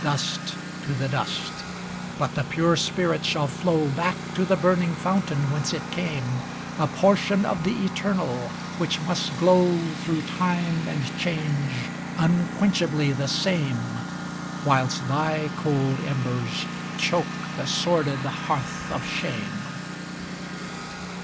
Dust to the dust ! but the pure spirit shall flow Back to the burning fountain whence it came, A portion of the Eternal, which must glow Through time and change, unquenchably the same. Whilst thy cold embers choke the sordid hearth of shame.